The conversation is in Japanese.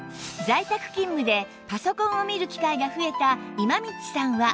在宅勤務でパソコンを見る機会が増えた今道さんは